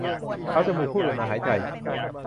เอาจมูกผู้อื่นมาหายใจ